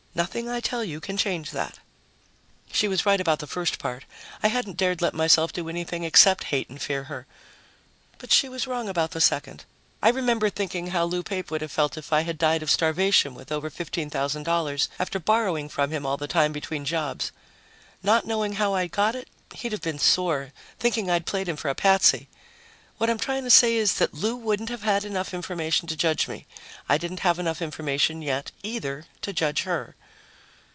Nothing I tell you can change that." She was right about the first part I hadn't dared let myself do anything except hate and fear her but she was wrong about the second. I remembered thinking how Lou Pape would have felt if I had died of starvation with over $15,000, after borrowing from him all the time between jobs. Not knowing how I got it, he'd have been sore, thinking I'd played him for a patsy. What I'm trying to say is that Lou wouldn't have had enough information to judge me. I didn't have enough information yet, either, to judge her.